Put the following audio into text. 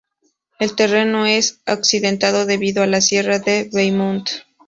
El terreno es accidentado debido a la Sierra de Bellmunt.